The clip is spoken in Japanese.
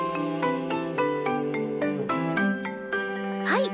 はい。